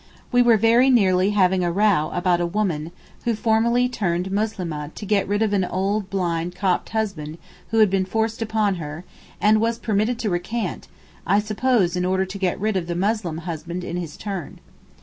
We were very nearly having a row about a woman, who formerly turned Moslimeh to get rid of an old blind Copt husband who had been forced upon her, and was permitted to recant, I suppose in order to get rid of the Muslim husband in his turn.